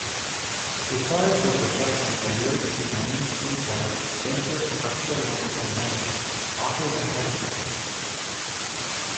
Besides her professional career, she managed to acquire extensive archaeological knowledge autodidactically.